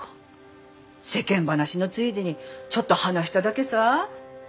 世間話のついでにちょっと話しただけさぁ。